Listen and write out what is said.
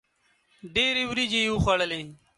ډېري وریجي یې وخوړلې.